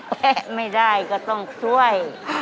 แม่ไม่ได้ก็ต้องช่วย